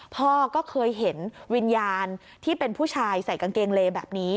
พ่อก็เคยเห็นวิญญาณที่เป็นผู้ชายใส่กางเกงเลแบบนี้